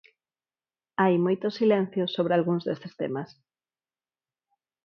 Hai moitos silencios sobre algúns destes temas.